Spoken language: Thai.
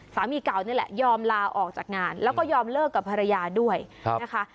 สามีเก่านี่แหละยอมลาออกจากงานแล้วก็ยอมเลิกกับภรรยาด้วยนะคะ